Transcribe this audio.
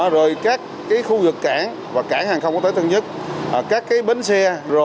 rồi các khu vực cảng và cảng hàng không có tới thân nhất các bến xe